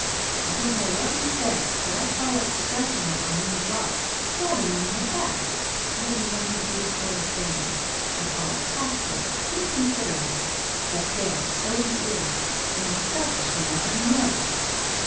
I don't know what he said, but I call it striking at one in the dark, stabbing one in the back, letting one in for this sort of thing! I call it tactless — inconsiderate — but there, so he is ! the most selfish man I know